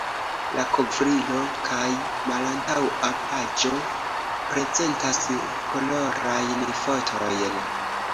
La kovrilo kaj malantaŭa paĝo prezentas kolorajn fotojn.